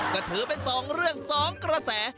ก็ถือเป็น๒เรื่อง๒กระแส